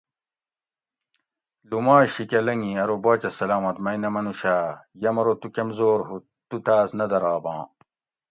لومائ شیکہۤ لنگی ارو باۤچہ سلامت مئ نہ منوش آ ؟یہ مرو تو کمزور ہوت تو تاس نہ دراباں